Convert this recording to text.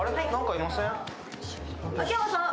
秋山さん